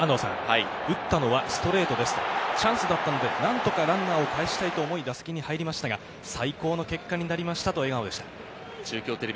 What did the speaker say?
打ったのはストレート、何とかランナーを帰したいと思い、打席に入りましたが最高の結果になりましたと笑顔でした。